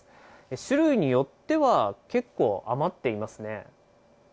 種類によっては、結構余っていますね。